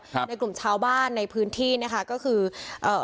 ในกลุ่มชาวบ้านในพื้นที่นะคะก็คือเอ่อ